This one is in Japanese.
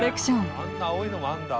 あんな青いのもあんだ。